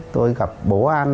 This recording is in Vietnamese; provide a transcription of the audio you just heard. tôi gặp bố an